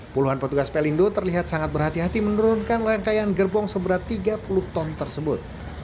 puluhan petugas pelindo terlihat sangat berhati hati menurunkan rangkaian gerbong seberat tiga puluh ton tersebut